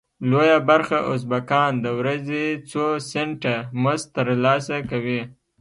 لویه برخه ازبکان د ورځې څو سنټه مزد تر لاسه کوي.